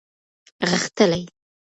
غښتلی